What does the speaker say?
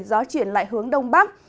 gió chuyển lại hướng đông bắc